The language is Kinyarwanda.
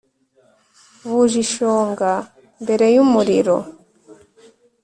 buje ishonga mbere yumuriro,